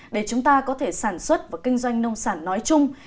để chúng ta có thể sản xuất và kinh doanh nông sản nói chung